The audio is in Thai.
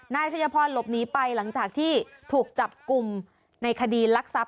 นายชัยพรหลบหนีไปหลังจากที่ถูกจับกลุ่มในคดีรักทรัพย